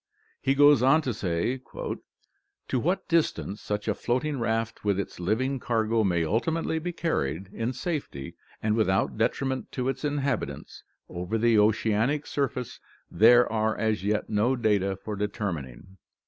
He goes on to say: "To what distance such a floating raft with its living cargo may ultimately be carried in safety, and without detriment to its inhabitants, over the oceanic surface there are as yet no data for determining.